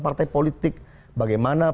partai politik bagaimana